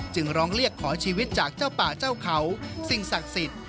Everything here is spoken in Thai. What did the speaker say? จึงร้องเรียกขอชีวิตจากเจ้าป่าเจ้าเขาสิ่งศักดิ์สิทธิ์